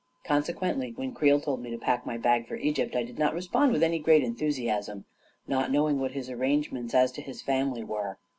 Consequently, when Creel told me to pack my bag for Egypt, I did not respond with any great enthusiasm, not knowing what his arrangements as to his family were.